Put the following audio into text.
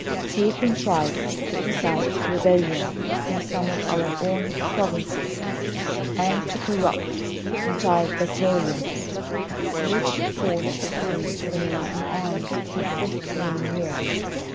He contrived to excite rebellion in some of our own provinces, and to corrupt entire battalions, which forced the Queen to remain in arms for fifteen years.